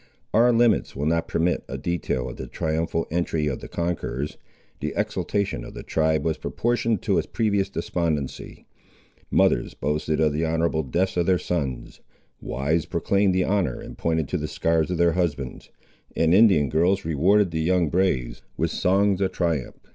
Our limits will not permit a detail of the triumphal entry of the conquerors. The exultation of the tribe was proportioned to its previous despondency. Mothers boasted of the honourable deaths of their sons; wives proclaimed the honour and pointed to the scars of their husbands, and Indian girls rewarded the young braves with songs of triumph.